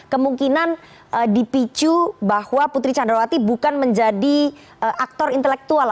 kemungkinan dipicu bahwa putri candrawati bukan menjadi aktor intelektual